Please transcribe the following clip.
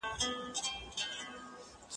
زه به اوږده موده مڼې خوړلي وم.